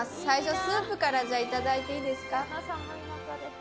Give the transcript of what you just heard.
最初、スープからじゃあ、頂いていいですか？